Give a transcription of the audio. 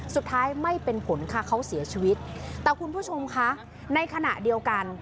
สุดท้ายไม่เป็นผลค่ะเขาเสียชีวิตแต่คุณผู้ชมคะในขณะเดียวกัน